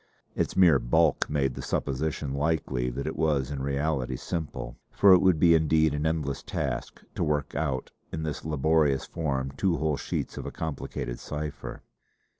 Its mere bulk made the supposition likely that it was in reality simple; for it would be indeed an endless task, to work out in this laborious form two whole sheets of a complicated cipher.